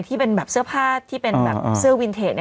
เหล่าเชื้อผ้าแบบเชื้อวินเทจ